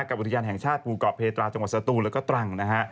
อุทยานแห่งชาติภูเกาะเพตราจังหวัดสตูนแล้วก็ตรังนะฮะ